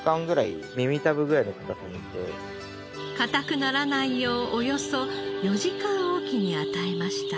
硬くならないようおよそ４時間おきに与えました。